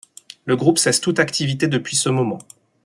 Le groupe cesse toute activité depuis ce moment.